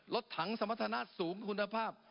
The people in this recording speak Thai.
รถถังสมรรถนะสูงคุณภาพ